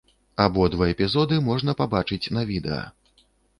Абодва эпізоды можна пабачыць на відэа.